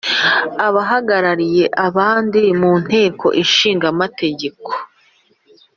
abahagarikiye abandi munteko ishinga amategeko